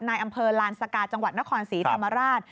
ในอำเภอลานสกาจังหวัดนครศรีธรรมราช